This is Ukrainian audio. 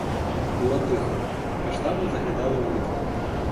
Було тихо, каштани заглядали у вікна.